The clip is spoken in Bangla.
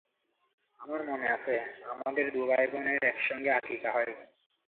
আমার মনে আছে, আমাদের দু ভাইবোনের একসঙ্গে আকিকা হয়।